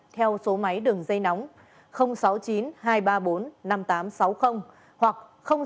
theo số máy đường dây nóng sáu mươi chín hai trăm ba mươi bốn năm nghìn tám trăm sáu mươi hoặc sáu mươi chín hai trăm ba mươi hai một nghìn sáu trăm